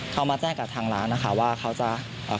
เขามาแจ้งกับทางร้านนะคะว่าเขาจะเอ่อ